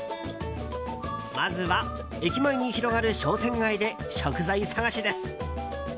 まずは、駅前に広がる商店街で食材探しです。